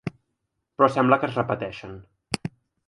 Però sembla que es repeteixen.